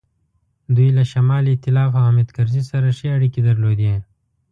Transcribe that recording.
دوی له شمال ایتلاف او حامد کرزي سره ښې اړیکې درلودې.